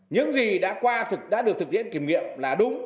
những gì đã qua đã được thực tiễn kiểm nghiệm là đúng